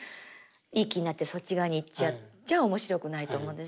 いい気になってそっち側に行っちゃっちゃあ面白くないと思うんです。